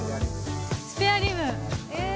スペアリブ。